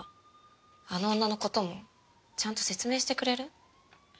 あの女のこともちゃんと説明してくれる？